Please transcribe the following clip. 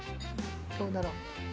どうだろう。